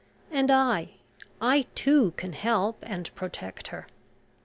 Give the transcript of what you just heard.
and I I, too, can help and protect her.